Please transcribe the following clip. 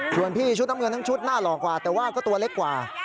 ส่วนพี่ชุดน้ำเงินทั้งชุดหน้าหล่อกว่าแต่ว่าก็ตัวเล็กกว่า